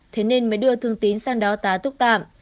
thế nên mới đưa thương tín sang đó tá túc tạm